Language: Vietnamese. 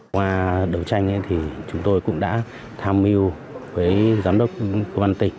qua đấu tranh thì chúng tôi cũng đã tham mưu với giám đốc công an tỉnh